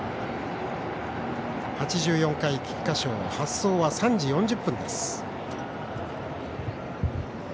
８４回菊花賞発走は３時４０分です。